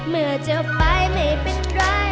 เมื่อจะไปไม่เป็นไร